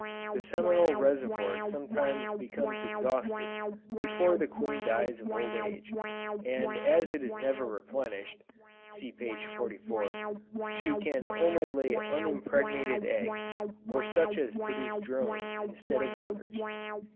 The seminal reservoir sometimes becomes exhausted, before the queen dies of old age, and as it is never replenished, (see p. 44,) she can only lay unimpregnated eggs, or such as produce drones instead of workers.